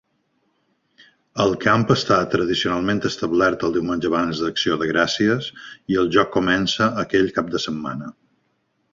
El camp està tradicionalment establert el diumenge abans d'acció de gràcies i el joc comença aquell cap de setmana.